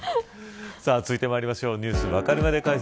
続いてまいりましょうＮｅｗｓわかるまで解説。